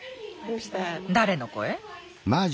誰の声？